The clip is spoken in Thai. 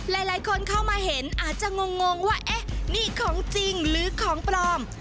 หลายคนเข้ามาเห็นอาจจะงงว่าเอ๊ะนี่ของจริงหรือของปลอม